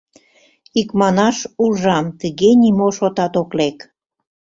Икманаш, ужам, тыге нимо шотат ок лек.